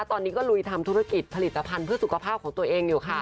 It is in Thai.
ตอนนี้ก็ลุยทำธุรกิจผลิตภัณฑ์เพื่อสุขภาพของตัวเองอยู่ค่ะ